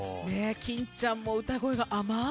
金ちゃんも歌声が甘い。